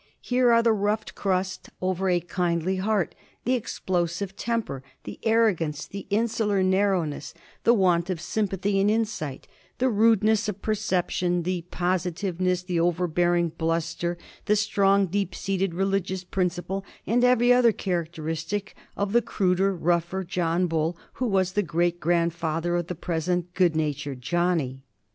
Here are the rough crust over a kindly heart, the explosive temper, the arrogance, the insular narrowness, the want of sympathy and insight, the rudeness of perception, the positiveness, the overbearing bluster, the strong deep seated religious principle, and every other characteristic of the cruder, rougher John Bull who was the great grandfather of the present good natured Johnnie.